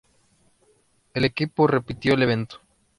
El equipo repitió el evento.